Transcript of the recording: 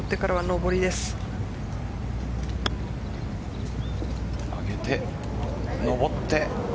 上げて、上って。